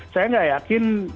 saya tidak yakin